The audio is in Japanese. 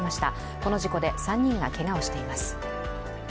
この事故で３人がけがをしています